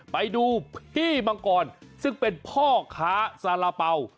ไปดูพี่มังกรซึ่งเป็นพ่อค้าสาระเป๋า